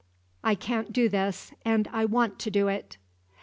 I can't do this, and I want to do it.